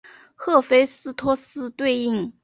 赫菲斯托斯对应。